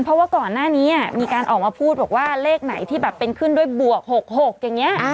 เพราะว่าก่อนหน้านี้มีการออกมาพูดบอกว่าเลขไหนที่แบบเป็นขึ้นด้วยบวก๖๖อย่างนี้